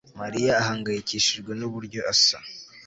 Mariya ahangayikishijwe nuburyo asa